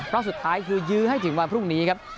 รอบสุดท้ายคือยื้อให้ถึงวันพรุ่งนี้ครับ